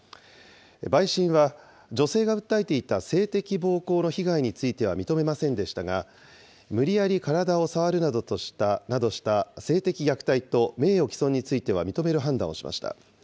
陪審は、女性が訴えていた性的暴行の被害については認めませんでしたが、無理やり体を触るなどした性的虐待と、名誉毀損については認める判断をしました。